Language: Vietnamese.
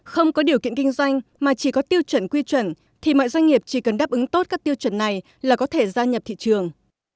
không có điều kiện kinh doanh mà chỉ có tiêu chuẩn quy chuẩn thì mọi doanh nghiệp chỉ cần đáp ứng tốt các tiêu chuẩn này là có thể gia nhập thị trường